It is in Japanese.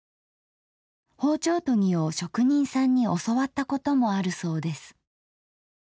包丁研ぎを職人さんに教わったこともあるそうです。